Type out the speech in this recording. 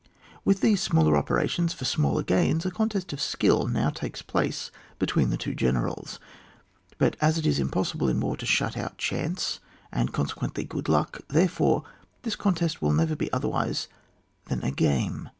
With these smaller operations for smaller gains, a contest of skill now takes place between the two generals ; but as it is impossible in war to shut out chance, and consequently good luck, therefore this contest will never be otherwise than a game.